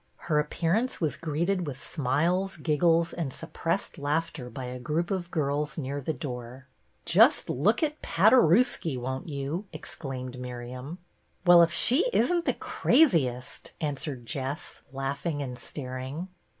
Her appearance was greeted with smiles, giggles, and suppressed laughter by a group of girls near the door. "Just look at Paderewski, won't you," exclaimed Miriam. " Well, if she is n't the craziest," answered Jess, laughing and staring.